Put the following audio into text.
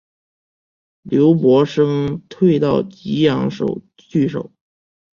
刘伯升退到棘阳据守。